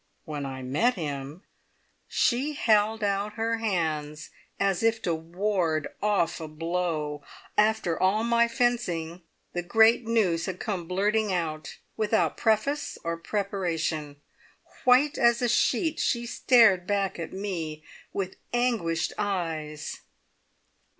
When I met him " She held out her hands, as if to ward off a blow. After all my fencing, the great news had come blurting out, without preface or preparation. White as a sheet, she stared at me with anguished eyes.